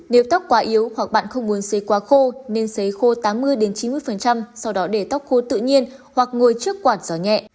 điều tóc quá yếu hoặc bạn không muốn xấy quá khô nên xấy khô tám mươi chín mươi sau đó để tóc khô tự nhiên hoặc ngồi trước quạt gió nhẹ